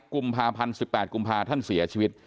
กุมภาพันธ์๑๘กุมภาท่านเสียชีวิต